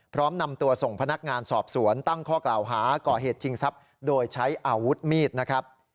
พร้อมนำตัวส่งพนักงานสอบสวนตั้งข้อกล่าวหาก่อเหตุชิงทรัพย์โดยใช้อาวุธมีดนะครับ